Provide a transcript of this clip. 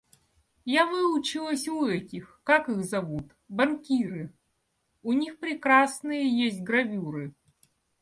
Я выучилась у этих, как их зовут... банкиры... у них прекрасные есть гравюры.